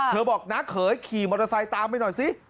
บอกน้าเขยขี่มอเตอร์ไซค์ตามไปหน่อยสิ